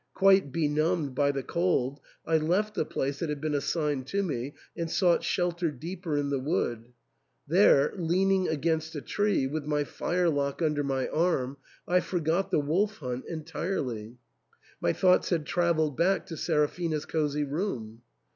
Quite benumbed by the cold, I left the place that had been iassigned to me and sought shelter deeper in the wood. There, leaning against a tree, with my firelock under my arm, I forgot the wolf hunt entirely ; my thoughts had travelled back to Seraphina's cosy room.